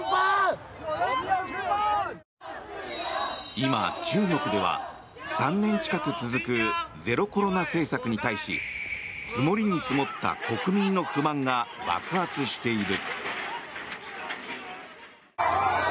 今、中国では３年近く続くゼロコロナ政策に対し積もりに積もった国民の不満が爆発している。